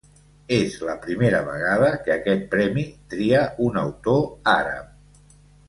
És la primera vegada que aquest premi tria un autor àrab.